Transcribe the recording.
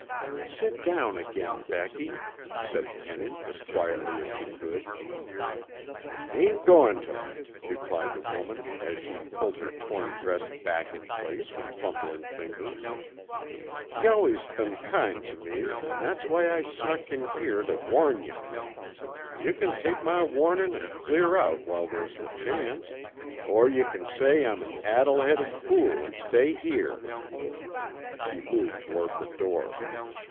"Sit down again, Becky," said Penny as quietly as she could. "Ain't goin' tuh," replied the woman as she pulled her torn dress back in place with fumbling fingers. "You allus been kind tuh me an' that's why I snuck in here tuh warn yuh. Yuh c'n take my warnin' an' clear out while they's the chance, or yuh c'n say I'm an addle headed fool an' stay here!" She moved toward the door.